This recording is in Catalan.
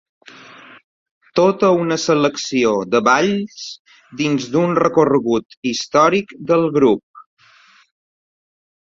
Tota una selecció de balls dins d’un recorregut històric del grup.